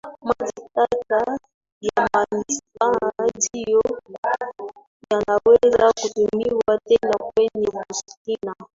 Maji taka ya manispaa ndio yanaweza kutumiwa tena kwenye bustani